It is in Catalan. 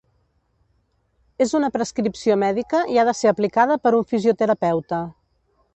És una prescripció mèdica i ha de ser aplicada per un fisioterapeuta.